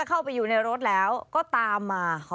มันเกิดเหตุเป็นเหตุที่บ้านกลัว